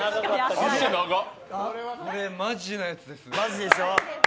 これ、マジなやつですね。